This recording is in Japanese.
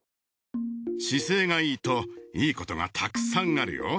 姿勢がいいといいことがたくさんあるよ。